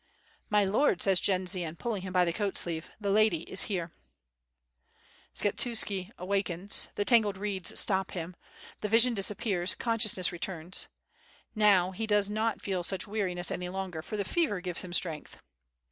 '' "My Lord,'^ says Jendzian, pulling him by the coat sleeve, "the lady is here ..." Skshetuski awakens, the tangled reeds stop him. The vision disappears, consciousness returns. Now he does not feel such weariness any longer, for the fever gives him strength.